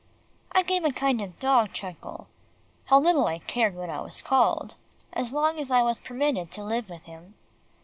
I gave a kind of dog chuckle. How little I cared what I was called, as long as I was permitted to live with him.